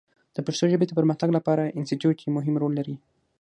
د پښتو ژبې د پرمختګ لپاره انسټیټوت یو مهم رول لري.